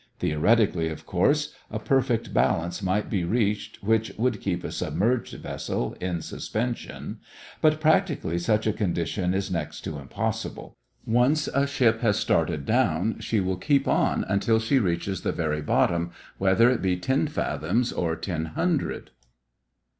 Theoretically, of course, a perfect balance might be reached which would keep a submerged vessel in suspension, but practically such a condition is next to impossible. Once a ship has started down, she will keep on until she reaches the very bottom, whether it be ten fathoms or ten hundred.